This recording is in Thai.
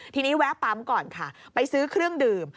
ทีนี้แวะปั๊มก่อนค่ะไปซื้อเครื่องดื่ม